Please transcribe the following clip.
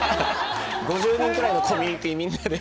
５０人ぐらいのコミュニティーみんなで。